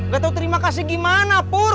gak tau terima kasih gimana pun